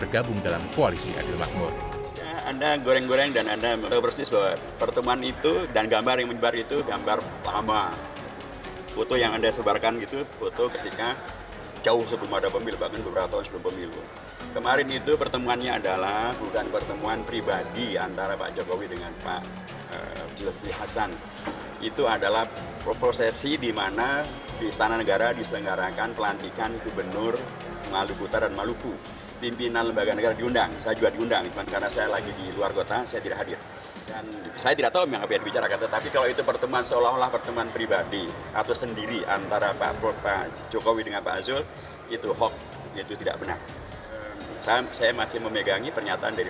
gabung dalam koalisi adil makmur